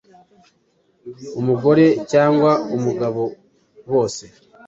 umugore cyangwa umugabo bose